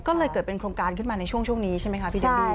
ก็เลยเกิดเป็นโครงการขึ้นมาในช่วงนี้ใช่ไหมครับพี่แดมบี